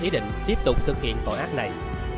ý định tiếp tục thực hiện tội ác này